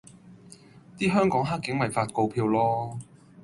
啲香港克警咪發告票囉